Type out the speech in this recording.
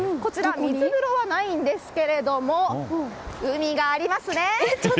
水風呂はないんですけれども海がありますね！